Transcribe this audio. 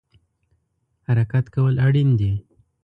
حرکت کول اړین دی